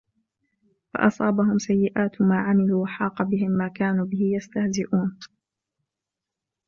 فأصابهم سيئات ما عملوا وحاق بهم ما كانوا به يستهزئون